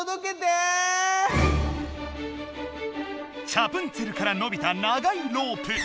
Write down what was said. チャプンツェルからのびた長いロープ。